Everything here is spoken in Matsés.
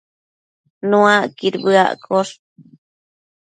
Nuacquid bedaccosh